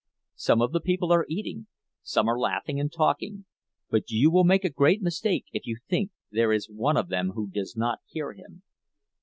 Some of the people are eating, some are laughing and talking—but you will make a great mistake if you think there is one of them who does not hear him.